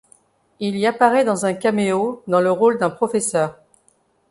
Il y apparaît dans un caméo dans le rôle d'un professeur.